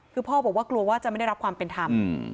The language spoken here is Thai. คือพ่อบอกว่ากลัวว่าจะไม่ได้รับความเป็นธรรม